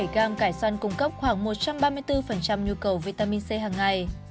sáu mươi bảy gram cải xoăn cung cấp khoảng một trăm ba mươi bốn nhu cầu vitamin c hàng ngày